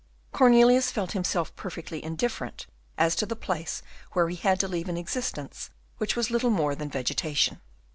Cornelius felt himself perfectly indifferent as to the place where he had to lead an existence which was little more than vegetation.